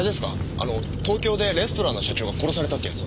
あの東京でレストランの社長が殺されたってやつ。